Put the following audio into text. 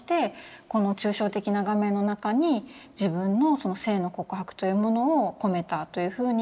この抽象的な画面の中に自分のその性の告白というものを込めたというふうに語っています。